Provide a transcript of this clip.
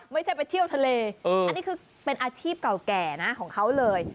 ไม่ใช่ไปเที่ยวทะเลอันนี้คือเป็นอาชีพเก่าแก่นะของเขาเลย